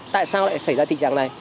tại sao lại xảy ra tình trạng này